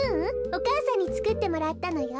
おかあさんにつくってもらったのよ。